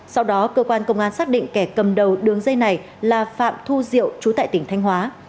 sau đó cơ quan công an xác định kẻ cầm đầu đường dây này là phạm thu diệu trú tại tỉnh thanh hóa